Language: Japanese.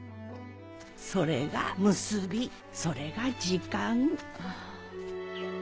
それがムスビそれが時間。